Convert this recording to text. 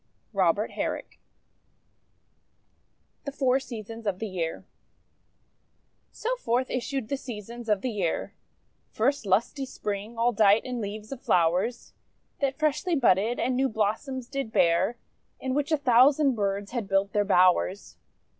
ROBERT HERRICK THE FOUR SEASONS OF THE YEAR So forth issued the Seasons of the Year: First, Lusty Spring, all dight in leaves of flowers That freshly budded and new blossoms did bear; In which a thousand birds had built their bowers.